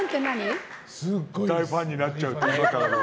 大ファンになっちゃうって意味。